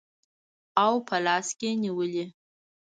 او په لاس کې نیولي